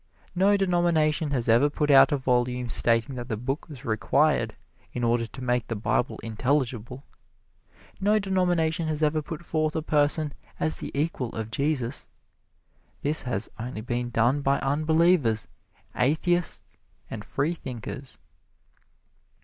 No denomination has ever put out a volume stating that the book was required in order to make the Bible intelligible. No denomination has ever put forth a person as the equal of Jesus. This has only been done by unbelievers, atheists and free thinkers.